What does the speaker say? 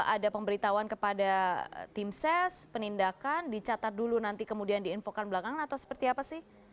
ada pemberitahuan kepada tim ses penindakan dicatat dulu nanti kemudian diinfokan belakangan atau seperti apa sih